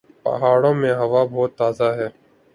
پہاڑوں میں ہوا بہت تازہ ہے۔